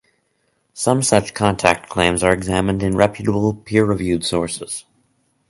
Some such contact claims are examined in reputable peer-reviewed sources.